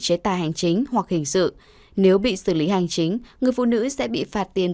chế tài hành chính hoặc hình sự nếu bị xử lý hành chính người phụ nữ sẽ bị phạt tiền